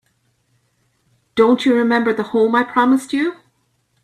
Don't you remember the home I promised you?